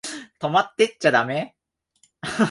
泊まってっちゃだめ？